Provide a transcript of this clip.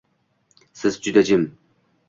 Siz: "Juda jim